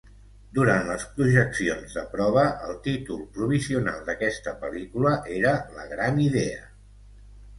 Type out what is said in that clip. Durant les projeccions de prova, el títol provisional d'aquesta pel·lícula era "La gran idea".